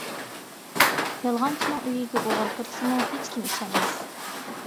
يالغانچىنىڭ ئۆيىگە ئوغرى كىرسىمۇ ھېچكىم ئىشەنمەس.